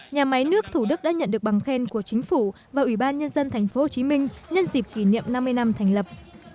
nhà máy nước thủ đức đã nhận được bằng khen của chính phủ và ủy ban nhân dân tp hcm nhân dịp kỷ niệm năm mươi năm thành lập